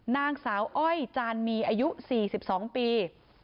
นางสาวอ้อยจานมีอายุ๔๒ปี